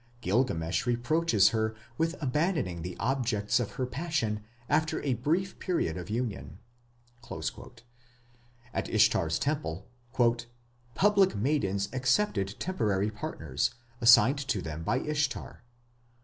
Gilgamesh ... reproaches her with abandoning the objects of her passion after a brief period of union." At Ishtar's temple "public maidens accepted temporary partners, assigned to them by Ishtar".